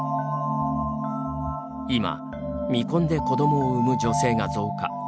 今、未婚で子どもを産む女性が増加。